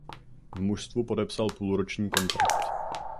V mužstvu podepsal půl roční kontrakt.